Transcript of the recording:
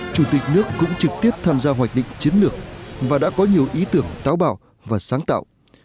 chủ tịch nước cũng trực tiếp tham gia hoạch định chiến lược và đã có nhiều ý tưởng táo bảo và sáng tạo